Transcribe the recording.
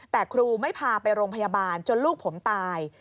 แต่ครูไม่พาไปโรงพยาบาลจนลูกผมตาย